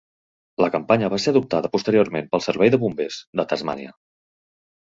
La campanya va ser adoptada posteriorment pel servei de bombers de Tasmània.